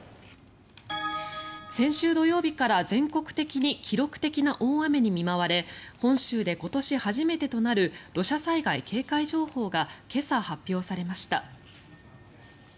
先週土曜日から全国的に記録的な大雨に見舞われ本州で今年初めてとなる土砂災害警戒情報が今朝発表されました。